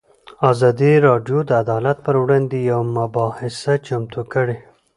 ازادي راډیو د عدالت پر وړاندې یوه مباحثه چمتو کړې.